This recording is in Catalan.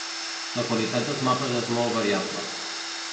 La qualitat dels mapes és molt variable.